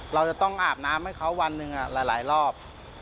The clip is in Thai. เราจะต้องอาบน้ำให้เขาวันหนึ่งหลายรอบ